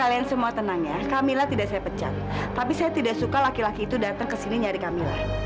ehm enggak camilla gak ada disini emang kenapa kak